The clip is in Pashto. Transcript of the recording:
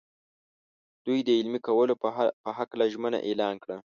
دوی د عملي کولو په هکله ژمنه اعلان کړه.